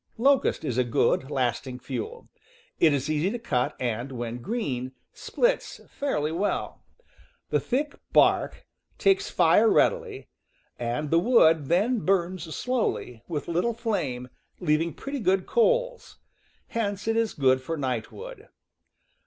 Locust is a good, lasting fuel; it is easy to cut, and, when green, splits fairly well; the thick bark takes fire readily, and the wood then burns slowly, with little flame, leaving pretty good coals; hence it is good for night wood.